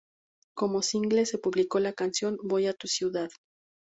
Como single se publicó la canción "Voy a tu ciudad".